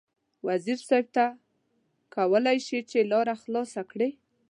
وزیر صیب ته کولای شې چې لاره خلاصه کړې.